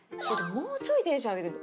もうちょいテンション上げて」。